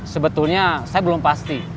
sebetulnya saya belum pasti